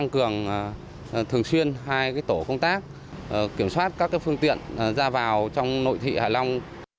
các phương tiện ra vào trong nội thị hải long